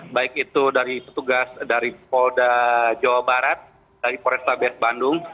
baik itu dari petugas dari polda jawa barat dari polrestabes bandung